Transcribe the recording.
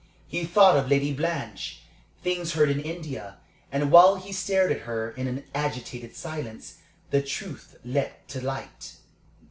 He thought of Lady Blanche things heard in India and while he stared at her in an agitated silence the truth leaped to light.